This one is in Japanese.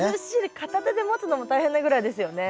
片手で持つのも大変なぐらいですよね。